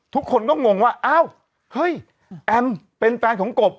ทุกคนก็งงว่าอ้าวเฮ้ยแอมเป็นแฟนของกบ